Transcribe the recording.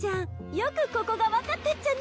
よくここが分かったっちゃね。